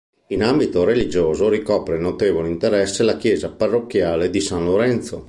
In ambito religioso ricopre notevole interesse la chiesa parrocchiale di san Lorenzo.